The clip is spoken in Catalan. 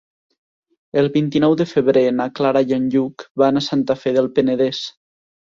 El vint-i-nou de febrer na Clara i en Lluc van a Santa Fe del Penedès.